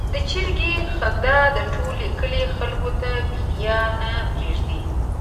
د چرګې خندا د ټول کلي خلکو ته بېده نه پرېږدي.